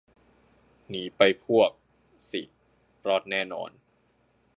หนีไปพวก สิ รอดแน่นอน